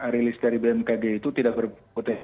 rilis dari bmkg itu tidak berpotensi